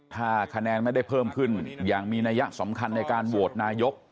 ถ้าคะแนนไม่ได้เพิ่มขึ้นอย่างมีนัยสำคัญในการโหวตนายก